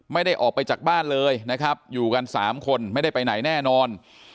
ไม่ได้ออกไปจากบ้านเลยนะครับอยู่กัน๓คนไม่ได้ไปไหนแน่นอน